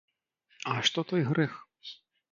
А што той грэх?